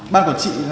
ban quản trị